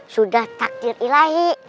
sudah takdir ilahi